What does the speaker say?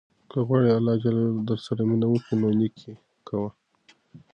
که غواړې اللهﷻ درسره مینه وکړي نو نېکي کوه.